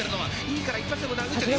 いいから一発でも殴っちゃえ］